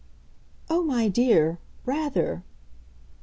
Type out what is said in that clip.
"Oh, my dear rather!"